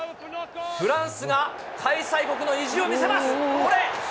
フランスが開催国の意地を見せます。